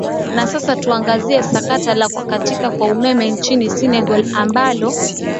na sasa tuangazie sakata la kukatika kwa umeme nchini senegal ambalo